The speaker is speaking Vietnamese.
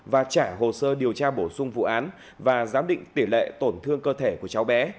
và trả hồ sơ điều tra bổ sung vụ án và giám định tỷ lệ tổn thương cơ thể của cháu bé